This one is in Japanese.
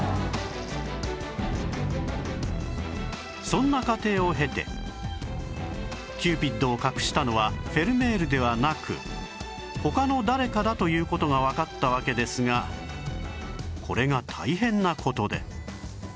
そんな過程を経てキューピッドを隠したのはフェルメールではなく他の誰かだという事がわかったわけですがこれが大変な事で